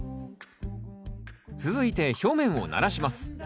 続いて表面をならします。